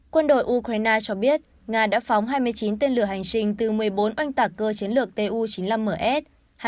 quân đội ukraine cho biết nga đã phóng hai mươi chín tên lửa hành trình từ một mươi bốn oanh tạc cơ chiến lược tu chín mươi năm ms